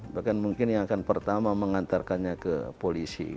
bahkan mungkin yang akan pertama mengantarkannya ke polisi